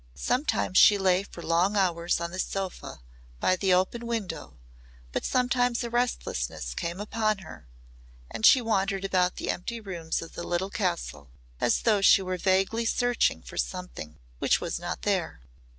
Sometimes she lay for long hours on the sofa by the open window but sometimes a restlessness came upon her and she wandered about the empty rooms of the little castle as though she were vaguely searching for something which was not there.